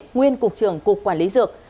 nguyên cục trưởng cục quản lý dược